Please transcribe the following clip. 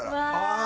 ああ。